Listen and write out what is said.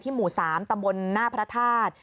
ที่หมู่๓ตำบลหน้าพระทาส